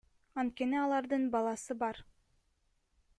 Анткени алардын баласы бар.